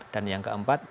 dan yang keempat